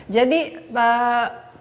jadi pak sugraha